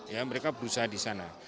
ya mereka berusaha di sana